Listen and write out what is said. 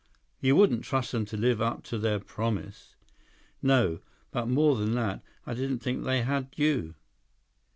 "You wouldn't trust them to live up to their promise?" 157 "No. But more than that. I didn't think they had you.